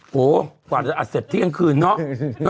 โหกว่าจะอัดเสร็จเที่ยงคืนเนาะ